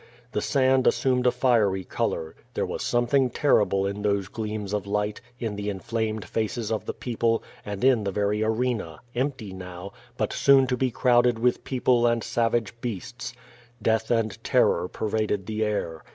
The sand assumed a fiery color. There was something terrible in those gleams of light, in the inflamed faces of the people, and in the very arena, empty now, but 80on to be crowded with people and savage beasts. Death 4T4 Q^^ VADI8. and terror pervaded the air.